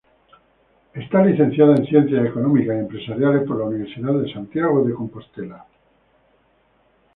Es licenciada en Ciencias Económicas y Empresariales por la Universidad de Santiago de Compostela.